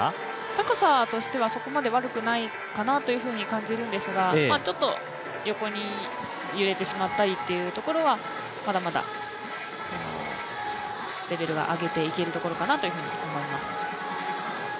高さとしてはそこまで悪くないかなと感じるんですがちょっと横に揺れてしまったりというところは、まだまだレベルを上げていけるところかなと思います。